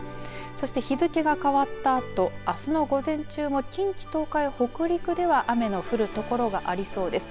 そして日付が変わったあとあすの午前中も近畿、東海、北陸では雨の降る所がありそうです。